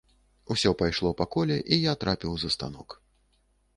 Усё пайшло па коле, і я трапіў за станок.